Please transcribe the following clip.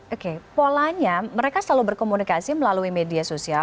oke polanya mereka selalu berkomunikasi melalui media sosial